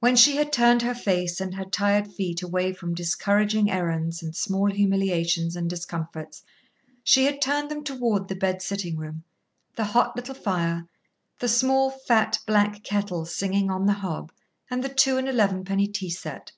When she had turned her face and her tired feet away from discouraging errands and small humiliations and discomforts, she had turned them toward the bed sitting room, the hot little fire, the small, fat black kettle singing on the hob, and the two and eleven penny tea set.